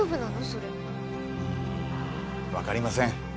うん分かりません。